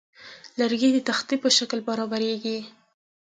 لرګی د تختې په شکل برابریږي.